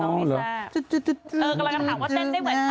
กำลังถามว่าเต้นได้เหมือนเธอหรือเปล่า